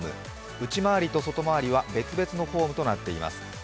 内回りと外回りは別々のホームとなっています。